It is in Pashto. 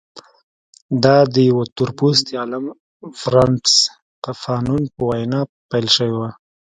دا د یوه تور پوستي عالم فرانټس فانون په وینا پیل شوې وه.